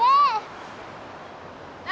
何？